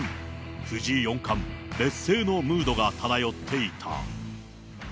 藤井四冠劣勢のムードが漂っていた。